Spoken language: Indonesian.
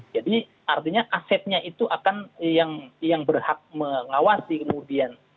jadi artinya asetnya itu akan yang berhak mengawasi kemudian